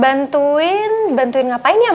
bantuin bantuin ngapain ya